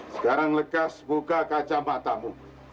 sekarang lekas buka kacamatamu